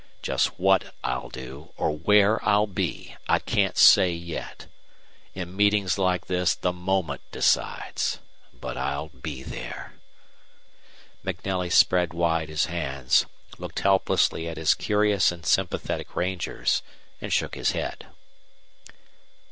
Just WHAT I'll do or WHERE I'll be I can't say yet. In meetings like this the moment decides. But I'll be there!" MacNelly spread wide his hands, looked helplessly at his curious and sympathetic rangers, and shook his head.